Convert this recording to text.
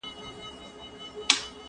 زه به د يادښتونه بشپړ کړي وي..